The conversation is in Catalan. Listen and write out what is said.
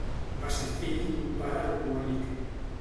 Va ser fill d'un pare alcohòlic.